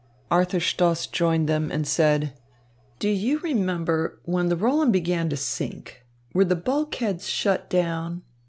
Arthur Stoss joined them, and said: "Do you remember when the Roland began to sink, were the bulkheads shut down?"